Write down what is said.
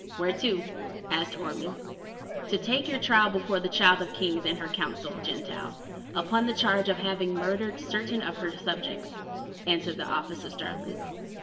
"Where to?" asked Orme. "To take your trial before the Child of Kings and her Council, Gentile, upon the charge of having murdered certain of her subjects," answered the officer sternly.